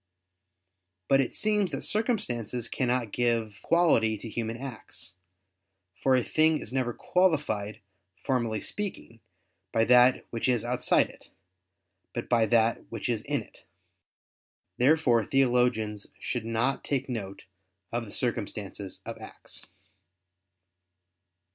But it seems that circumstances cannot give quality to human acts; for a thing is never qualified, formally speaking, by that which is outside it; but by that which is in it. Therefore theologians should not take note of the circumstances of acts.